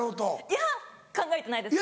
いや考えてないです